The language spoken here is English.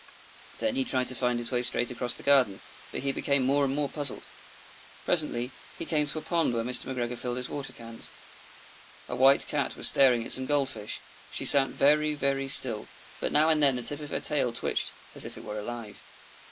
Then he tried to find his way straight across the garden, but he became more and more puzzled. Presently, he came to a pond where Mr. McGregor filled his water cans. A white Cat was staring at some Gold fish; she sat very, very still, but now and then the tip of her tail twitched as if it were alive.